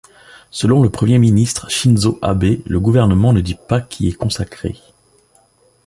Selon le premier ministre Shinzō Abe, le gouvernement ne dit pas qui est consacré.